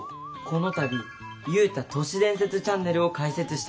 この度ユウタ都市伝説チャンネルを開設したんです。